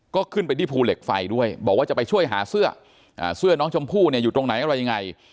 ก็ขึ้นไปที่ภูเหล็กไฟด้วยบอกว่าจะไปช่วยหาเสื้อเสื้อน้องชมพู่เนี่ยอยู่ตรงไหนอะไรยังไง